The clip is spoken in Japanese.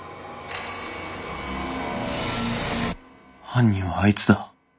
犯人はあいつだ。